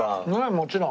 もちろん。